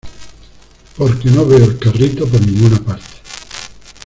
porque no veo el carrito por ninguna parte.